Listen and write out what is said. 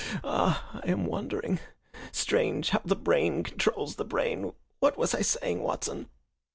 Ah, I am wandering! Strange how the brain controls the brain! What was I saying, Watson?"